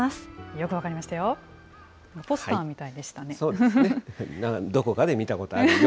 よく分かりましたよ。